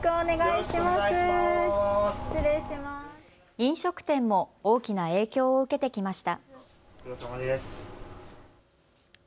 飲食店も大きな影響を受けてきました。